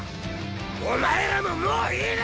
お前らももういいな！？